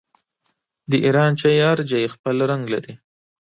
د ایران چای هر ځای خپل رنګ لري.